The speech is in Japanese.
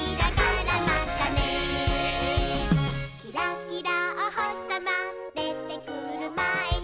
「キラキラおほしさまでてくるまえに」